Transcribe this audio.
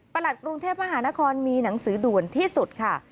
กรุงเทพมหานครมีหนังสือด่วนที่สุดค่ะ